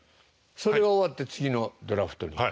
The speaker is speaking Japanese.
それが終わって次のドラフトに。